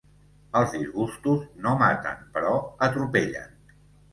Els disgustos no maten, però atropellen.